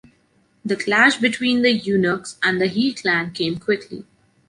The clash between the eunuchs and the He clan came quickly.